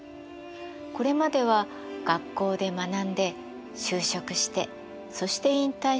これまでは学校で学んで就職してそして引退して老後の暮らし。